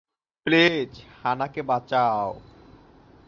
Please হা-না কে বাঁচাও।